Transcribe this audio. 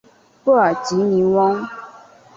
布尔吉尼翁。